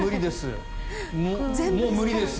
もう無理です